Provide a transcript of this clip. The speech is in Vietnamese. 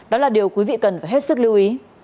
đó là điều quý vị cần phải hết sức lưu ý